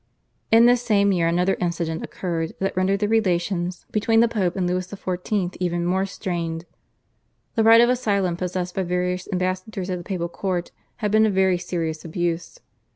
In this same year another incident occurred that rendered the relations between the Pope and Louis XIV. even more strained. The right of asylum possessed by various ambassadors at the papal court had become a very serious abuse.